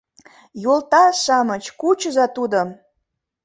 — Йолташ-шамыч, кучыза тудым!